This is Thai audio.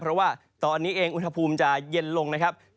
เพราะว่าตอนนี้เองอุณหภูมิจะเย็นลงนะครับ